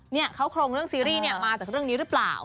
เนี่ยเขาโครงเรื่องซีรีส์เนี่ยมาจากเรื่องนี้หรือเปล่า